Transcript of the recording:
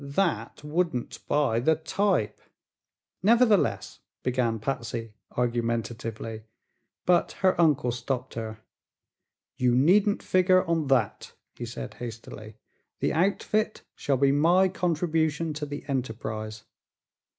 That wouldn't buy the type." "Nevertheless," began Patsy, argumentatively, but her uncle stopped her. "You needn't figure on that," he said hastily. "The outfit shall be my contribution to the enterprise.